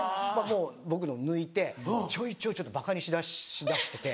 もう僕のを抜いてちょいちょいちょっとばかにし出してて。